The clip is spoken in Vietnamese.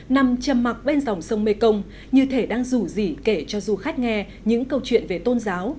nằm trầm mặc bên dòng sông mekong như thể đang rủ dỉ kể cho du khách nghe những câu chuyện về tôn giáo